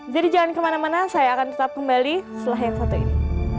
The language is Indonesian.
jadi jangan kemana mana saya akan tetap kembali setelah yang satu ini